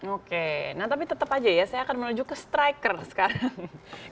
oke nah tapi tetap aja ya saya akan menuju ke striker sekarang